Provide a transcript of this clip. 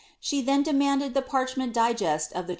SKe then (leiuauded the parr.liment digest of the t..